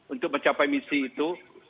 untuk mencapai misi itu